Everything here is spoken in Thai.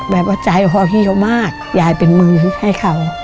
แบบว่าใจห่อเหี้ยวมากยายเป็นมือให้เขา